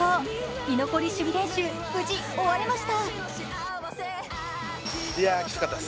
居残り守備練習、無事終わりました